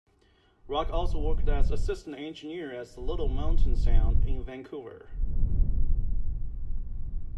Rock also worked as an assistant engineer at Little Mountain Sound in Vancouver.